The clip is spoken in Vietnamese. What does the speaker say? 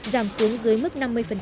giảm xuống dưới mức năm mươi